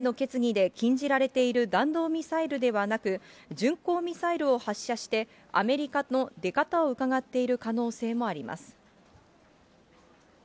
国連安全保障理事会の決議で禁じられている弾道ミサイルではなく、巡航ミサイルを発射して、アメリカの出方をうかがっている可能性もあります。